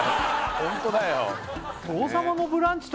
ホントだよああ